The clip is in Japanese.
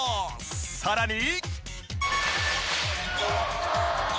さらに。